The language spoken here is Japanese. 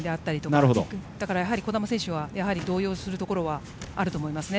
なのでやはり、児玉選手は少し動揺するところはあると思います。